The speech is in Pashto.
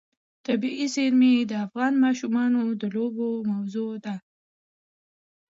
طبیعي زیرمې د افغان ماشومانو د لوبو موضوع ده.